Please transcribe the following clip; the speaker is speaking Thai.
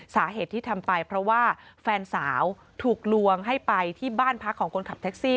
สาเหตุที่ทำไปเพราะว่าแฟนสาวถูกลวงให้ไปที่บ้านพักของคนขับแท็กซี่